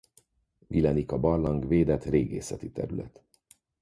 Vilenica-barlang védett régészeti terület.